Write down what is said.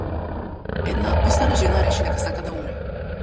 Една постара жена реши дека сака да умре.